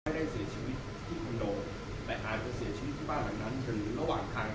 ไม่ได้เสียชีวิตที่คุณโดน